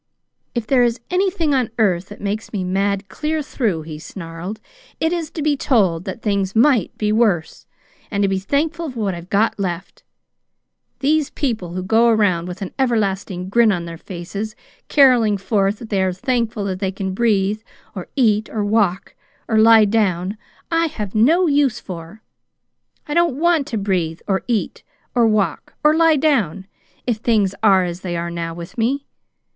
"'If there is anything on earth that makes me mad clear through,' he snarled, 'it is to be told that things might be worse, and to be thankful for what I've got left. These people who go around with an everlasting grin on their faces caroling forth that they are thankful that they can breathe, or eat, or walk, or lie down, I have no use for. I don't WANT to breathe, or eat, or walk, or lie down if things are as they are now with me.